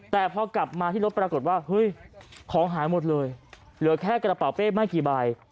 แต่พอกลับมาที่รถปรากฏว่าเฮ้ยของหายหมดเลยเหลือแค่กระเป๋าเป้ไม่กี่ใบ